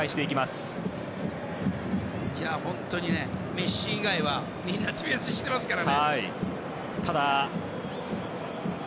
メッシ以外はみんなディフェンスしていますからね。